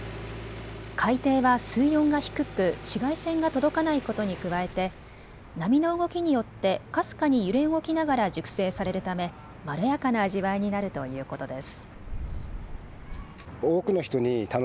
海底は水温が低く紫外線が届かないことに加えて波の動きによって、かすかに揺れ動きながら熟成されるためまろやかな味わいになるということです。